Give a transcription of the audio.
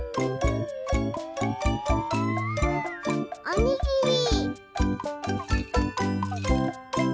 おにぎり。